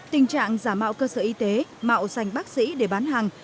tình trạng giảm mạo cơ sở y tế mạo dành bác sĩ để bán hàng